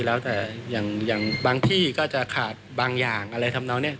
แล้วแต่อย่างบางที่ก็จะขาดบางอย่างอะไรทำนองนี้